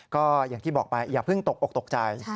ก็อย่างที่บอกไปอย่าเพิ่งตกอกตกใจ